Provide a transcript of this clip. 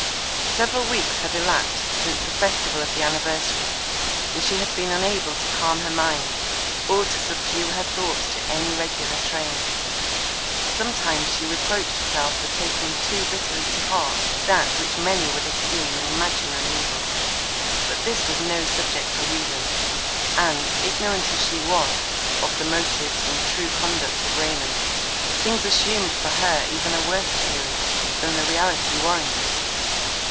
Several weeks had elapsed since the festival of the anniversary, and she had been unable to calm her mind, or to subdue her thoughts to any regular train. Sometimes she reproached herself for taking too bitterly to heart, that which many would esteem an imaginary evil; but this was no subject for reason; and, ignorant as she was of the motives and true conduct of Raymond, things assumed for her even a worse appearance, than the reality warranted.